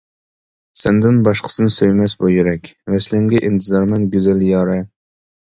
سەندىن باشقىسىنى سۆيمەس بۇ يۈرەك، ۋەسلىڭگە ئىنتىزارمەن گۈزەل يارە.